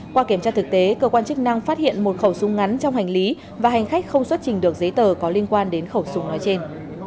qua kiểm tra thực tế cơ quan chức năng phát hiện một khẩu súng ngắn trong hành lý và hành khách không xuất trình được giấy tờ có liên quan đến khẩu súng nói trên